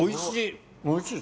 おいしい。